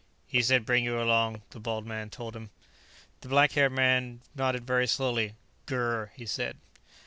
"He said bring you along," the bald man told him. The black haired man nodded very slowly. "Gur," he said.